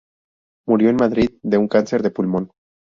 Murió en Madrid de un cáncer de pulmón.